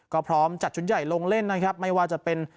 ก็พร้อมจัดชุดใหญ่ลงเล่นนะครับไม่ว่าจะเป็น